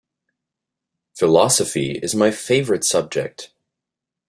Philosophy is my favorite subject.